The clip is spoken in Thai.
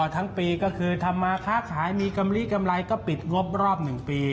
ทั้งปีก็คือทำมาค้าขายมีกำลีกำไรก็ปิดงบรอบ๑ปี